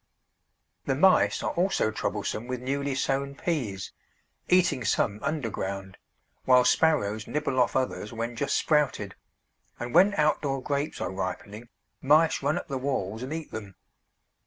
The mice are also troublesome with newly sown Peas, eating some underground, while sparrows nibble off others when just sprouted; and when outdoor Grapes are ripening mice run up the walls and eat them.